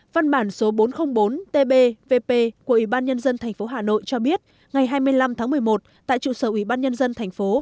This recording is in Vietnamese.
văn bản số bốn trăm linh bốn tb vp của ubnd tp hà nội cho biết ngày hai mươi năm tháng một mươi một tại trụ sở ubnd tp